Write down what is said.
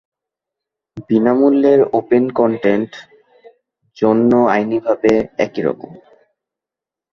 বিনামূল্যের open content জন্য আইনিভাবে একইরকম।